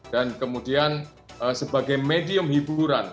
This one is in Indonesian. dan kemudian sebagai medium hiburan